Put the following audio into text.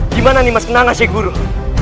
gimana nimas kenangan sheikh buruh